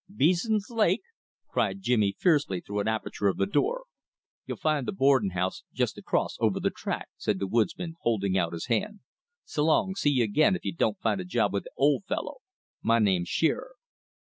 "Bees'n Lake!" cried Jimmy fiercely through an aperture of the door. "You'll find th' boardin' house just across over the track," said the woodsman, holding out his hand, "so long. See you again if you don't find a job with the Old Fellow. My name's Shearer."